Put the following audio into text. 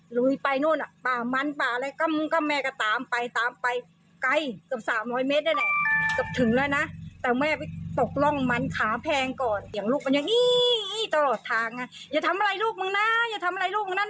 ให้ปลาช่าลุงแล้วตามหรับอาหาร